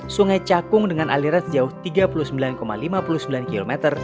sungai cakung dengan aliran sejauh tiga puluh sembilan lima puluh sembilan km